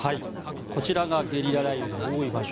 こちらがゲリラ雷雨が多い場所